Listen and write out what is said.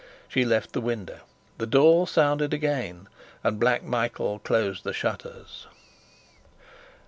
She left the window. The door sounded again, and Black Michael closed the shutters.